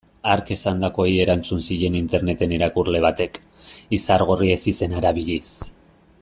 Hark esandakoei erantzun zien interneten irakurle batek, Izargorri ezizena erabiliz.